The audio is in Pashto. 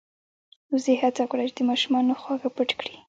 وزې هڅه وکړه چې د ماشومانو خواږه پټ کړي.